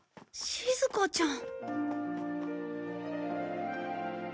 しずかちゃん。